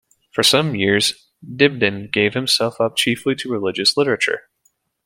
For some years Dibdin gave himself up chiefly to religious literature.